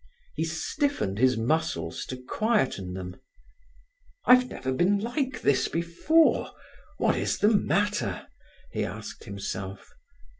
He stiffened his muscles to quieten them. "I've never been like this before. What is the matter?" he asked himself.